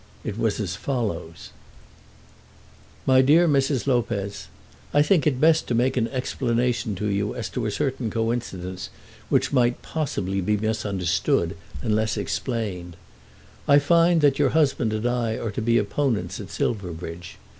It was as follows: MY DEAR MRS. LOPEZ, I think it best to make an explanation to you as to a certain coincidence which might possibly be misunderstood unless explained. I find that your husband and I are to be opponents at Silverbridge.